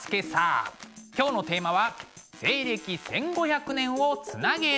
今日のテーマは「西暦１５００年をつなげる」です。